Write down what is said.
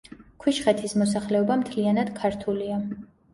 ქვიშხეთის მოსახლეობა მთლიანად ქართულია.